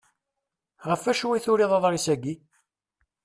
Ɣef acu i turiḍ aḍris-agi?